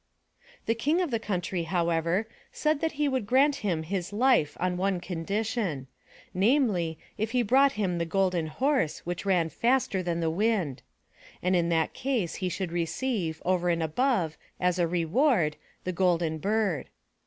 The King of the country, however, said that he would grant him his life on one condition — ^namely, if he brought him the Golden Horse which ran faster than the wind. And in that case he should receive, over and above, as a reward, the Golden Bird.